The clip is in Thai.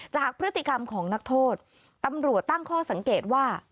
จากพฤติกรรมของนักโทษตำรวจตั้งข้อสังเกตว่า